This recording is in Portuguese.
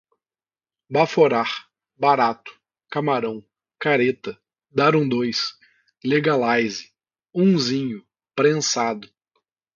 baforar, barato, camarão, careta, dar um dois, legalize, unzinho, prensado